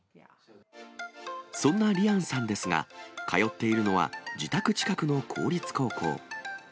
そんなリアンさんですが、通っているのは、自宅近くの公立高校。